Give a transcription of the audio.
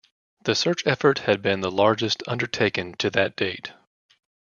The search effort had been the largest undertaken to that date.